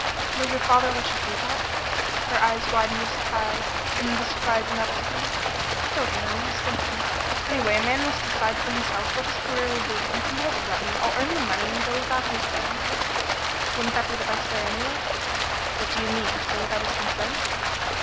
"Will your father let you do that?" Her eyes widened with surprise, and the surprise nettled him. "I don't know. He's thinking about it. Anyway, a man must decide for himself what his career will be, and if he won't let me, I'll earn the money and go without his letting me." "Wouldn't that be the best way, anyway?" "What do you mean? To go without his consent?"